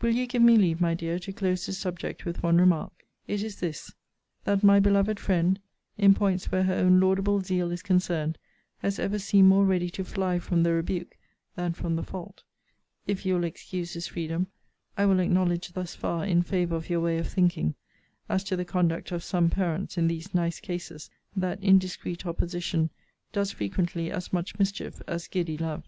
Will you give me leave, my dear, to close this subject with one remark? It is this: that my beloved friend, in points where her own laudable zeal is concerned, has ever seemed more ready to fly from the rebuke, than from the fault. If you will excuse this freedom, I will acknowledge thus far in favour of your way of thinking, as to the conduct of some parents in these nice cases, that indiscreet opposition does frequently as much mischief as giddy love.